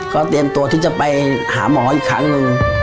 ก็เตรียมตัวที่จะไปหาหมออีกครั้งหนึ่ง